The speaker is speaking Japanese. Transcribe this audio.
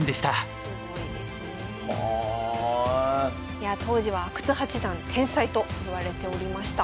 いやあ当時は阿久津八段天才といわれておりました。